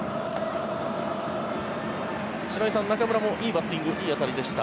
白井さん、中村もいいバッティングいい当たりでした。